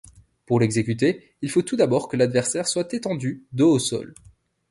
Pour l'exécuter, il faut tout d'abord que l'adversaire soit étendu dos au sol.